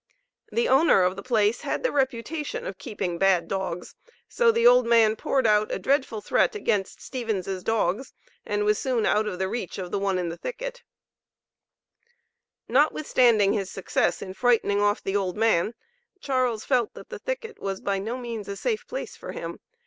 The owner of the place had the reputation of keeping "bad dogs," so the old man poured out a dreadful threat against "Stephens' dogs," and was soon out of the reach of the one in the thicket. Notwithstanding his success in frightening off the old man, CHARLES felt that the thicket was by no means a safe place for him.